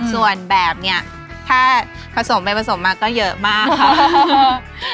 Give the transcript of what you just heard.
ส่วนแบบเนี่ยถ้าผสมไปผสมมาก็เยอะมากค่ะ